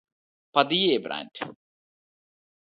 പതിയെ ബ്രാൻഡ്